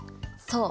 そう。